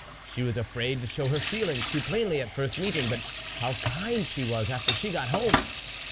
She was afraid to show her feelings too plainly at first meeting ; but how kind she was after she got home